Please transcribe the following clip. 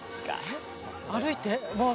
歩いて？